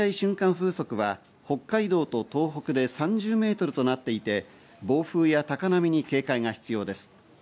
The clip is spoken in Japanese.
風速は北海道と東北で３０メートルとなっていて、暴風や高波に警戒が必要です。